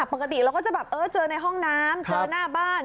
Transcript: ปกติเราก็จะแบบเออเจอในห้องน้ำเจอหน้าบ้าน